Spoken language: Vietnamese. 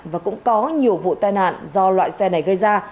và cũng có nhiều vụ tai nạn do loại xe này gây ra